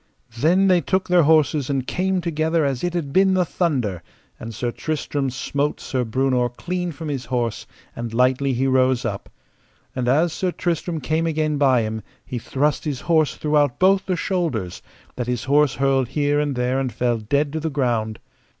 Then they took their horses and came together as it had been the thunder; and Sir Tristram smote Sir Breunor clean from his horse, and lightly he rose up; and as Sir Tristram came again by him he thrust his horse throughout both the shoulders, that his horse hurled here and there and fell dead to the ground.